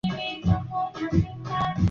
alisukumwa kwa nguvu ndani ya mashua namba sita